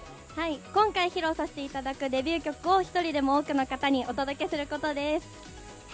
今回披露させていただくデビュー曲を１人でも多くの方にお届けすることです。